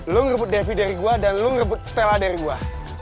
lo ngerebut devi dari gue dan lo ngerebut stella dari gue